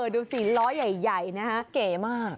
ดูสิล้อใหญ่นะฮะเก๋มาก